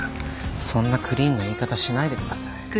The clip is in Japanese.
そんなクリーンな言い方しないでください。